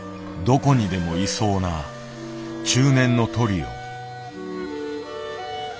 どこにでもいそうな中年のトリオ。